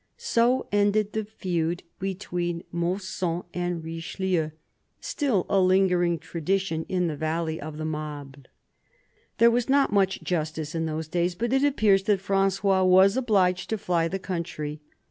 So ended the feud between Mausson and Richelieu, still a lingering tradition in the valley of the Mable. There was not much justice in those days, but it appears that Frangois was obliged to fly the country.